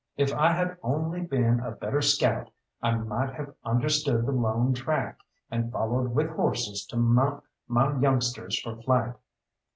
If I had only been a better scout I might have understood the lone track, and followed with horses to mount my youngsters for flight.